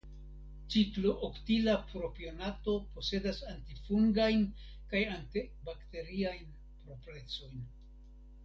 Ciklooktila propionato posedas antifungajn kaj antibakteriajn proprecojn.